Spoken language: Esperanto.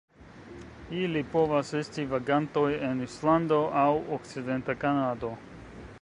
Ili povas esti vagantoj en Islando aŭ okcidenta Kanado.